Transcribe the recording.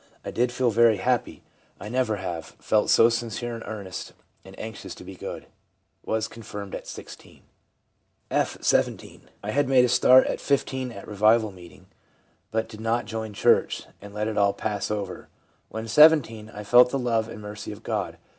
I did feel very happy ; I never have felt so sincere and earnest and anxious to be good/ (Was confirmed at 16.) F., 17. * I had made a start at 15 at revival meeting, but did not join church, and let it all pass over. (When 17) I felt the love and mercy of God.